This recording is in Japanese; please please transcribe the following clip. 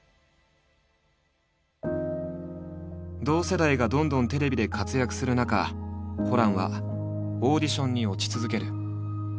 同世代がどんどんテレビで活躍する中ホランはオーディションに落ち続ける。